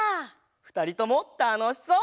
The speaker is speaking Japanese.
ふたりともたのしそう！